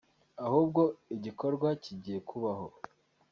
ahubwo igikorwa kigiye kubaho